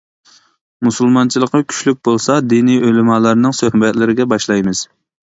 مۇسۇلمانچىلىقى كۈچلۈك بولسا دىنى ئۆلىمالارنىڭ سۆھبەتلىرىگە باشلايمىز.